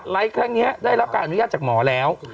ครั้งนี้ได้รับการอนุญาตจากหมอแล้ว